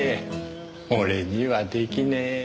俺には出来ねえ。